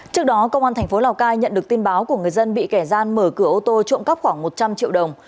trước đó công an thành phố lào cai nhận được tin báo của người dân bị kẻ gian mở cửa ô tô trộm cắp khoảng một trăm linh triệu đồng